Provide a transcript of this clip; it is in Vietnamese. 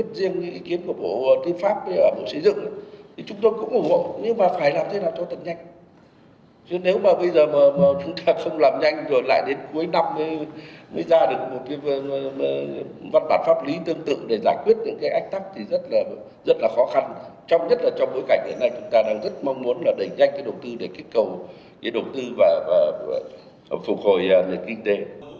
trong nhất là trong bối cảnh này chúng ta đang rất mong muốn đẩy nhanh đồng tư để kích cầu đồng tư và phục hồi kinh tế